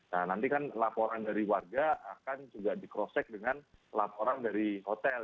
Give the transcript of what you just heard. nah nanti kan laporan dari warga akan juga di cross check dengan laporan dari hotel